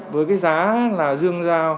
với cái giá là dương giao